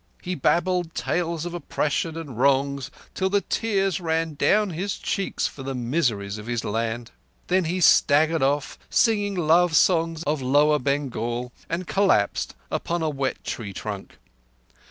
He babbled tales of oppression and wrong till the tears ran down his cheeks for the miseries of his land. Then he staggered off, singing love songs of Lower Bengal, and collapsed upon a wet tree trunk.